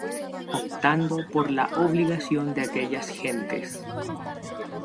Optando por la obligación de aquellas gentes.